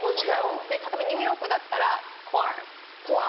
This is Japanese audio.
で例えばニューヨークだったら「クァー」。